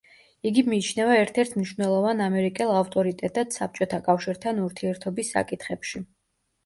იგი მიიჩნევა ერთ-ერთ მნიშვნელოვან ამერიკელ ავტორიტეტად საბჭოთა კავშირთან ურთიერთობის საკითხებში.